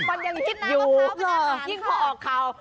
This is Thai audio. ฟันยังฮิตอยู่ยิ่งพอออกข่าว